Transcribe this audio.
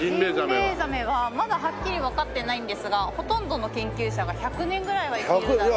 ジンベエザメはまだはっきりわかってないんですがほとんどの研究者が１００年ぐらいは生きるだろう。